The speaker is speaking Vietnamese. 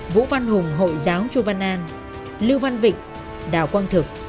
vũ văn hùng hội giáo chu văn an lưu văn vịnh đào quang thực